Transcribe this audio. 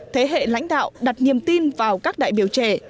thế hệ lãnh đạo đặt niềm tin vào các đại biểu trẻ